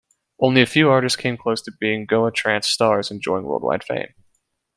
Only a few artists came close to being Goa trance "stars", enjoying worldwide fame.